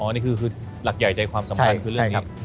นี่คือหลักใหญ่ใจความสำคัญคือเรื่องนี้